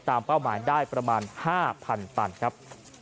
เป้าหมายได้ประมาณ๕๐๐๐ตันครับ